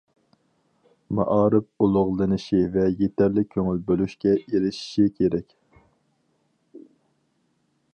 مائارىپ ئۇلۇغلىنىشى ۋە يېتەرلىك كۆڭۈل بۆلۈشكە ئېرىشىشى كېرەك!